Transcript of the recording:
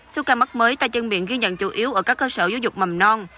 số ca mắc mới tay chân miệng ghi nhận chủ yếu ở các cơ sở giáo dục mầm non